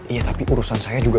iya tapi urusan saya juga